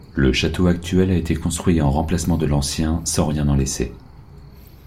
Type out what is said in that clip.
Le château actuel a été construit en remplacement de l'ancien, sans rien en laisser.